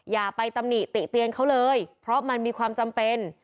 อย่าไปตำหนิติเตียนเขาเลยเพราะมันมีความจำเป็น